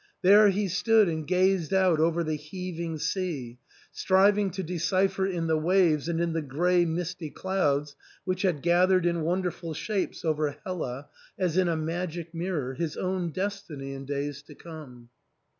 There he stood and gazed out over the heav ing sea, striving to decipher in the waves and in the grey misty clouds which had gathered in wonderful shapes over Hela,' as in a magic mirror, his own destiny in days to come.